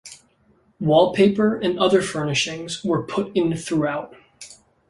Wallpaper and other furnishings were put in throughout.